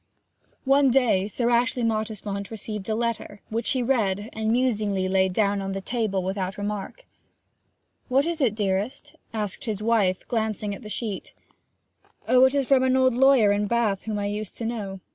One day Sir Ashley Mottisfont received a letter, which he read, and musingly laid down on the table without remark. 'What is it, dearest?' asked his wife, glancing at the sheet. 'Oh, it is from an old lawyer at Bath whom I used to know.